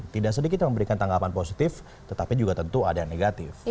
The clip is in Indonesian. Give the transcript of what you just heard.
tidak sedikit yang memberikan tanggapan positif tetapi juga tentu ada yang negatif